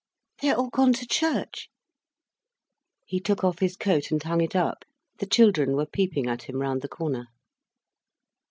"They are all gone to church." He took off his coat and hung it up. The children were peeping at him round the corner.